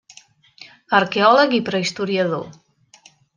Arqueòleg i prehistoriador.